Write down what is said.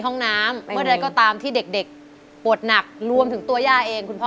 ห้องน้ำเมื่อใดก็ตามที่เด็กปวดหนักรวมถึงตัวย่าเองคุณพ่อ